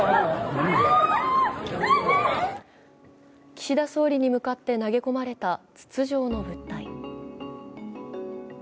岸田総理に向かって投げ込まれた筒状の物体。